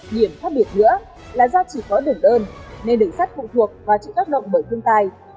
điểm khác biệt nữa là do chỉ có đường đơn nên đường sắt phụ thuộc vào trực tác động bởi thương tài